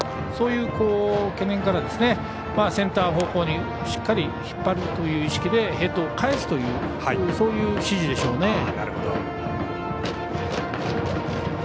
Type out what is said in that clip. そういう懸念からセンター方向にしっかり引っ張るという意識でヘッドを返すというそういう指示でしょうね。